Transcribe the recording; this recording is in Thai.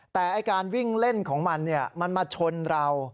แต่การวิ่งเล่นของมันมันมาชนเรา